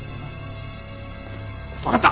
わかった。